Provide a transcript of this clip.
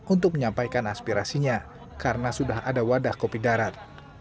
untuk menyampaikan aspirasinya karena sudah ada wadah kopi darat